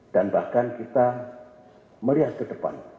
dan bahkan kita melihat ke depan